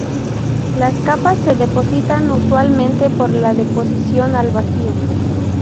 Las capas se depositan usualmente por la deposición al vacío.